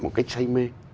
một cái say mê